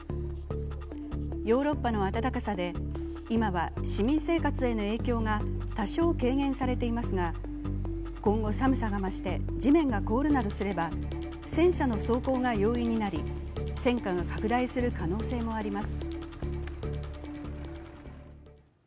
ヨーロッパの暖かさで今は市民生活への影響が多少軽減されていますが、今後、寒さが増して地面が凍るなどすれば、戦車の走行が容易になり戦禍が拡大する可能性もあります。